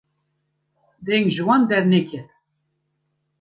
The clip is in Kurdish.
deng ji wan derneket